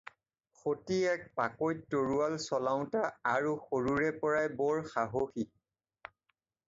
সতী এক পাকৈত তৰোৱাল চলাওঁতা আৰু সৰুৰে পৰাই বৰ সাহসী।